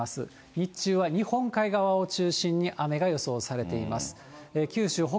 日中は日本海側を中心に、雨が予想されています。